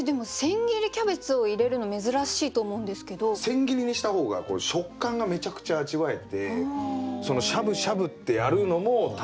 千切りにした方が食感がめちゃくちゃ味わえてしゃぶしゃぶってやるのも楽しいじゃないですか